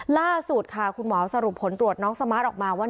ล่าสุดค่ะคุณหมอสรุปผลตรวจน้องสมาร์ทออกมาว่า